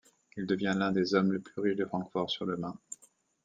Il devient l'un des hommes les plus riches de Francfort-sur-le-Main.